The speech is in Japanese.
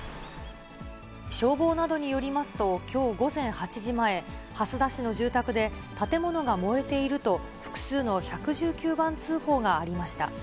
消防などによりますと、きょう午前８時前、蓮田市の住宅で建物が燃えていると、複数の１１９番通報がありました。